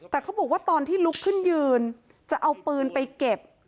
แต่เขาบอกว่าตอนที่ลุกขึ้นยืนจะเอาปืนไปเก็บ